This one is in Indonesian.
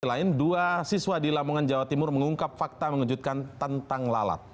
selain dua siswa di lamongan jawa timur mengungkap fakta mengejutkan tentang lalat